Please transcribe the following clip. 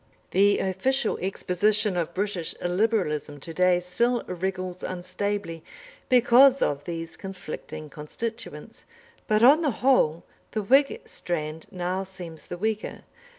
The official exposition of British "Liberalism" to day still wriggles unstably because of these conflicting constituents, but on the whole the Whig strand now seems the weaker.